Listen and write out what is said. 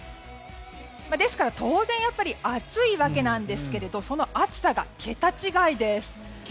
ですから、当然暑いわけなんですがその暑さが桁違いです。